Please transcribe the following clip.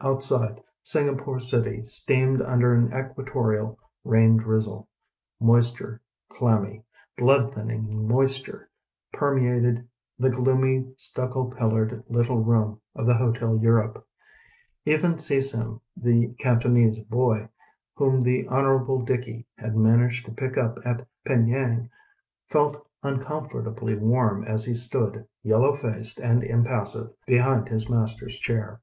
Outside, Singapore City steamed tinder an equatorial rain driczle : moistureŌĆö clammy, bloodthinning moisture ŌĆö permeated the gloomy stucco pillared tiffin room of the Hotel Burope. Bven See Sim the Can tonese "boy" whom the Honorable Dicky had managed to pick up at Penang, felt uncom fortably warm as he stood, yellow faced and impaasive, behind his master's chair.